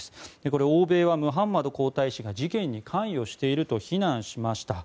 これ、欧米はムハンマド皇太子が事件に関与していると非難しました。